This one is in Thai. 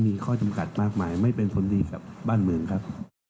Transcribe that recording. มีข้อจำกัดมากมายไม่เป็นผลดีกับบ้านเมืองครับ